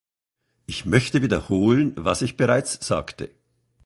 Ich möchte wiederholen, was ich bereits sagte.